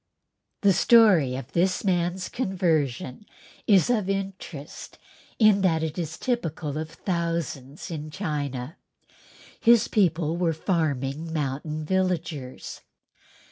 The story of this man's conversion is of interest in that it is typical of thousands in China. His people were farming mountain villagers.